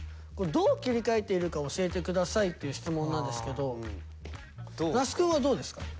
どう切り替えてるか教えて下さいっていう質問なんですけど那須くんはどうですか？